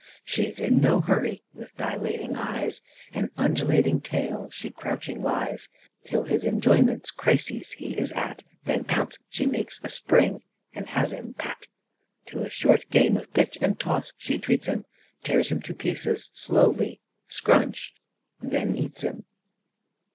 She's in no hurry. With dilating eyes, And undulating tail, she crouching lies, Till his enjoyments crises he is at, Then pounce! she makes a spring, and has him pat. To a short game of pitch and toss she treats him Tears him to pieces slowly SCRUNCH then eats him."